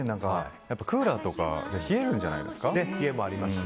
クーラーとかで冷えるんじゃないですか。